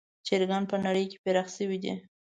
چرګان په نړۍ کې پراخ شوي دي.